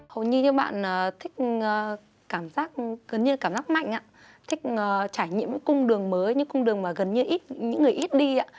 hầu như các bạn thích cảm giác gần như cảm giác mạnh thích trải nghiệm những cung đường mới những cung đường mà gần như ít những người ít đi ạ